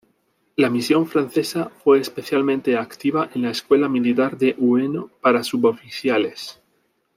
La misión francesa fue especialmente activa en la Escuela Militar de Ueno para suboficiales.